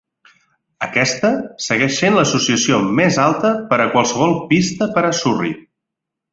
Aquesta segueix sent l'associació més alta per a qualsevol pista per a Surrey.